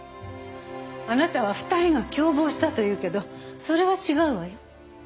あなたは２人が共謀したと言うけどそれは違うわよ。